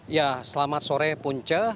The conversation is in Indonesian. ya selamat sore punca